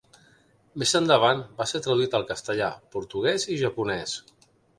Més endavant va ser traduït al castellà, portuguès i japonès.